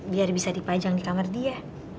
biar bisa dipajang di kamar dia